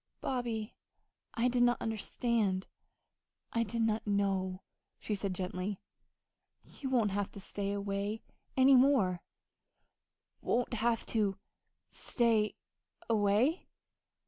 "Bobby, I did not understand I did not know," she said gently. "You won't have to stay away any more." "Won't have to stay away!"